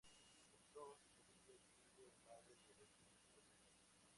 El Zoo de Sevilla exhibe animales de los cinco continentes.